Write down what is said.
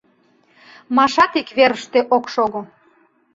Машат ик верыште ок шого.